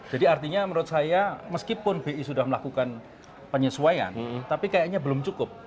jadi artinya menurut saya meskipun bi sudah melakukan penyesuaian tapi kayaknya belum cukup